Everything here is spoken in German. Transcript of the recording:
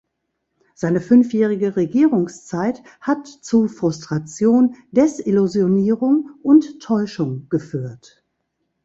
Seine fünfjährige Regierungszeit hat zu Frustration, Desillusionierung und Täuschung geführt.